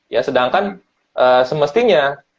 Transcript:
ya sedangkan semestinya